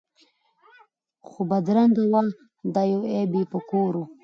خو بدرنګه وو دا یو عیب یې په کور وو